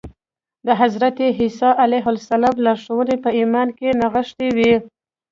د حضرت عيسی عليه السلام لارښوونې په ايمان کې نغښتې وې.